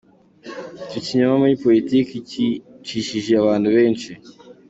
Icyo kinyoma muri politiki cyicishije abantu benshi.